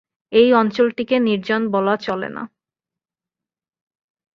এই অঞ্চলটিকে নির্জন বলা চলে না।